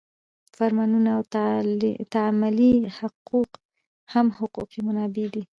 فرمانونه او تعاملي حقوق هم حقوقي منابع دي.